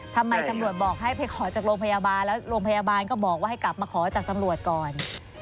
ทำไมตำรวจบอกให้ไปขอจากโรงพยาบาลแล้วโรงพยาบาลก็บอกว่าให้กลับมาขอจากตำรวจก่อน